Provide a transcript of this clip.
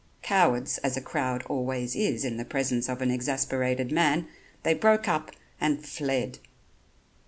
Cowards, as a crowd always is in the presence of an exasperated man, they broke up and fled.